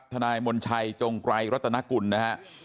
นายมณชัยจงไกรรัตนกุลนะฮะ